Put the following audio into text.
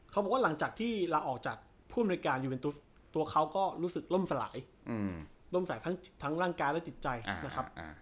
เขามีรู้สึกมีทัศน์ออกที่ป้องกันข้างอีก